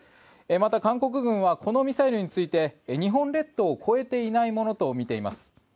また、韓国軍はこのミサイルについて日本列島を越えていないものとみています。